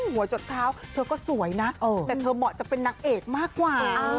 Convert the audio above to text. จดเท้าเธอก็สวยนะแต่เธอเหมาะจะเป็นนางเอกมากกว่า